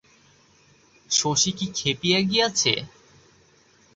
শশী কি খেপিয়া গিয়াছে?